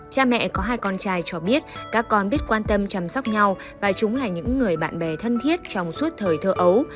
cha mẹ có hai con trai cho biết các con biết quan tâm chăm sóc nhau và chúng là những người bạn bè thân thiết trong suốt thời thơ ấu